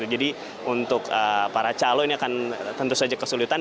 jadi untuk para calon ini akan tentu saja kesulitan